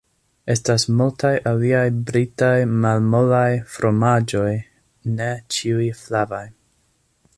Estas multaj aliaj britaj malmolaj fromaĝoj, ne ĉiuj flavaj.